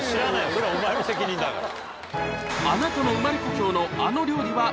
それはお前の責任だから。